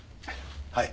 はい。